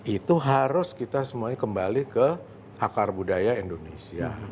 itu harus kita semuanya kembali ke akar budaya indonesia